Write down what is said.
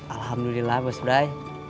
alhamdulillah bos brai